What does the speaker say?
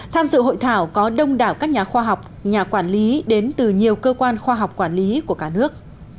tham dự hội thảo có đông đảo các nhà khoa học nhà quản lý đến từ nhiều cơ quan khoa học quản lý của cả nước